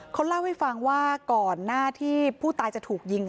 เขาเล่าให้ฟังว่าก่อนหน้าที่ผู้ตายจะถูกยิง